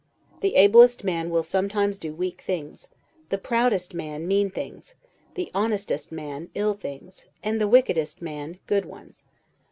The ablest man will sometimes do weak things; the proudest man, mean things; the honestest man, ill things; and the wickedest man, good ones.